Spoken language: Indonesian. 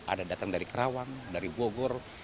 ada datang dari kerawang dari bogor